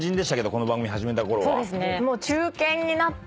この番組始めたころは。